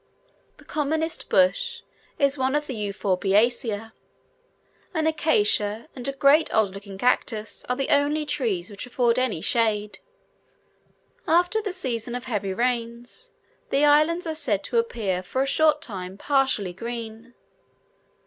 The commonest bush is one of the Euphorbiaceae: an acacia and a great odd looking cactus are the only trees which afford any shade. After the season of heavy rains, the islands are said to appear for a short time partially green.